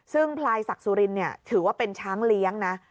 ซึ่งพลายศักดิ์สุรินถือว่าเป็นช้างเลี้ยงนะ